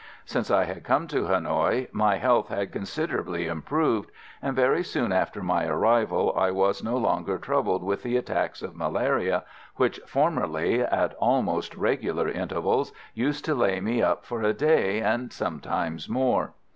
Since I had come to Hanoï my health had considerably improved; and very soon after my arrival I was no longer troubled with the attacks of malaria, which formerly, at almost regular intervals, used to lay me up for a day, and sometimes more.